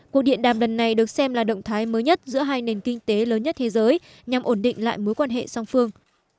cuộc điện đàm lần này được xem là động thái mới nhất giữa hai nền kinh tế lớn nhất thế giới nhằm ổn định lại mối quan hệ song phương